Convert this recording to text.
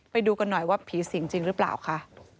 ไปดูกันหน่อยว่าผีสิงจริงหรือเปล่าค่ะ